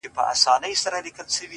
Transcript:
نور دي دسترگو په كتاب كي _